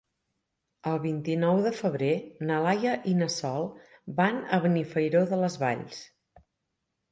El vint-i-nou de febrer na Laia i na Sol van a Benifairó de les Valls.